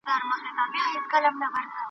خو عدالت پېژنم. عدال